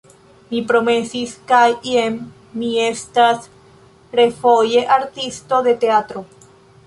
Mi promesis kaj jen mi estas refoje artisto de teatro.